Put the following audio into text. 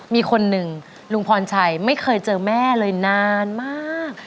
มีคนหนึ่งลุงพรชัยไม่เคยเจอแม่เลยนานมาก